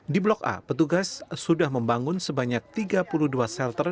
di blok a petugas sudah membangun sebanyak tiga puluh dua shelter